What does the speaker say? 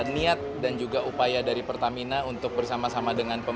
niat dan juga upaya dari pertamina untuk bersama sama dengan pemerintah